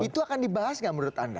itu akan dibahas nggak menurut anda